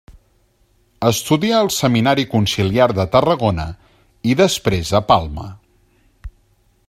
Estudià al Seminari Conciliar de Tarragona i després a Palma.